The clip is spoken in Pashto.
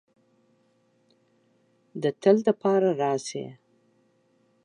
د تل د پاره راشې